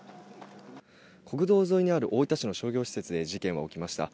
国道沿いにある大分市の商業施設で、事件は起きました。